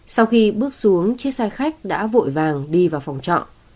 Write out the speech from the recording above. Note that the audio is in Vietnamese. sau khi bước xuống chiếc xe khách đã vội vàng đi vào phòng trọ